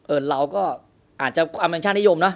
เอิญเราก็อาจจะความเป็นชาตินิยมเนอะ